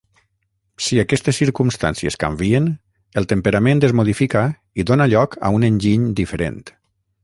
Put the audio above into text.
Si aquestes circumstàncies canvien, el temperament es modifica i dóna lloc a un enginy diferent.